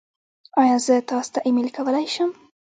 ایا زه تاسو ته ایمیل کولی شم؟